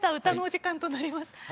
歌のお時間となります。